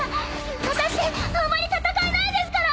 あたしあんまり戦えないですから！